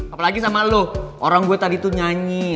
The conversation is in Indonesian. apalagi sama lu orang gua tadi tuh nyanyi